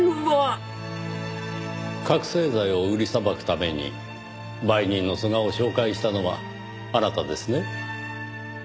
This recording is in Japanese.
覚醒剤を売りさばくために売人の須賀を紹介したのはあなたですね？